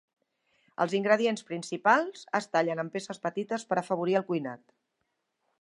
Els ingredients principals es tallen en peces petites per afavorir el cuinat.